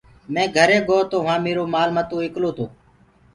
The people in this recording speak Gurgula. مينٚ گھري گو تو وهآنٚ ميرو مآل متو ايڪلو تو۔